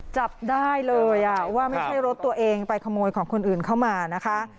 จับได้เลยว่าไม่ใช่รถตัวเองไปขโมยของคนอื่นเข้ามานะคะ